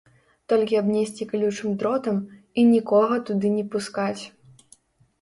Толькі абнесці калючым дротам, і нікога туды не пускаць.